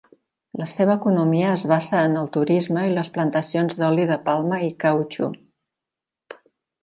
La seva economia es basa en el turisme i les plantacions d'oli de palma i cautxú.